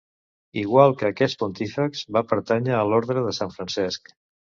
Igual que aquest Pontífex, va pertànyer a l'Orde de Sant Francesc.